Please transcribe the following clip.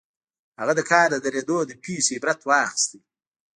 هغه د کار د درېدو له پېښې عبرت واخيست.